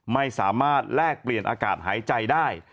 ไม่สามารถแลกเปลี่ยนอากาศหายใจได้